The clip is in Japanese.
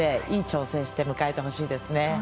いい調整して迎えてほしいです。